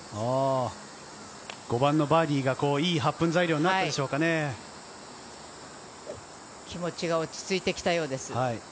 ５番のバーディーがいい発奮気持ちが落ち着いてきたようです。